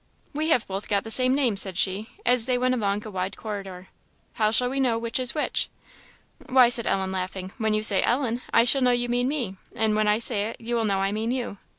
"We have both got the same name," said she, as they went along a wide corridor; "how shall we know which is which?" "Why," said Ellen, laughing, "when you say 'Ellen,' I shall know you mean me; and when I say it you will know I mean you.